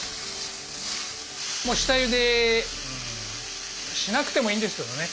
もう下ゆでしなくてもいいんですけどね。